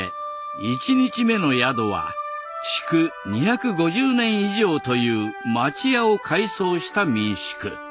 １日目の宿は築２５０年以上という町屋を改装した民宿。